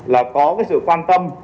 là có sự quan tâm